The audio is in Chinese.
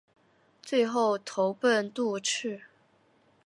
最后投奔杜弢。